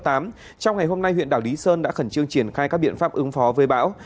trong ngày hôm nay huyện đảo lý sơn đã khẩn trương triển khai các biện pháp ứng phó với bão